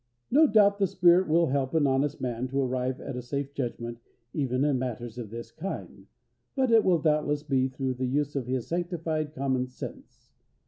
No doubt, the Spirit will help an honest man to arrive at a safe judgment even in matters of this kind, but it will doubtless be through the use of his sanctified common sense.